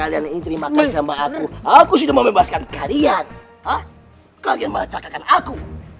ingin terima kasih sama aku aku sudah membebaskan kalian hah kalian masakan aku